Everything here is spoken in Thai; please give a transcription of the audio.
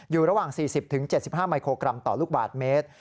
อยู่ระหว่าง๔๐๗๕มิโครกรัมต่อลูกบาทเมตร